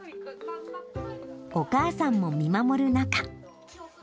お母さんも見守る中。